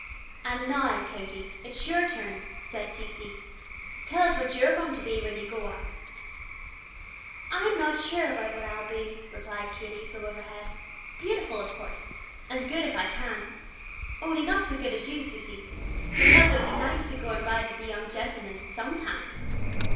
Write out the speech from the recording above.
"And now, Katy, it's your turn," said Cecy; "tell us what you're going to be when you grow up." "I'm not sure about what I'll be," replied Katy, from overhead; "beautiful, of course, and good if I can, only not so good as you, Cecy, because it would be nice to go and ride with the young gentlemen sometimes.